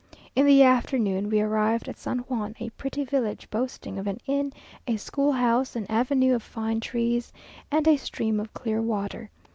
In the afternoon we arrived at San Juan, a pretty village, boasting of an inn, a school house, an avenue of fine trees, and a stream of clear water.